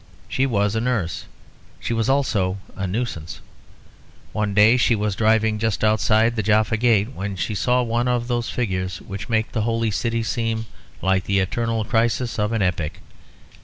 She was a nurse; she was also a nuisance. One day she was driving just outside the Jaffa Gate, when she saw one of those figures which make the Holy City seem like the eternal crisis of an epic.